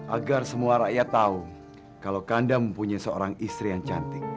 agar semua rakyat tahu kalau anda mempunyai seorang istri yang cantik